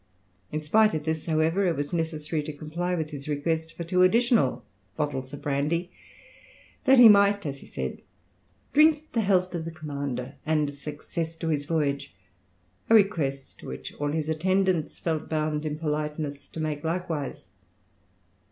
In spite of this, however, it was necessary to comply with his request for two additional bottles of brandy, that he might, as he said, drink the health of the commander and success to his voyage, a request which all his attendants felt bound in politeness to make likewise.